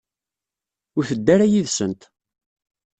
Ur tedda ara yid-sent.